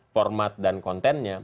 format dan kontennya